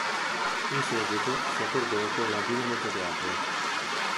In seguito, si accordò con la Dinamo Zagabria.